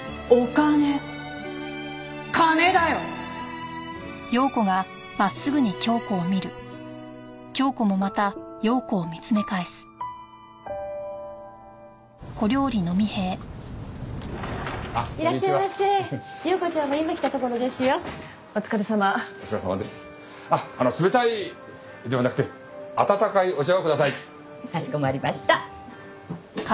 かしこまりました。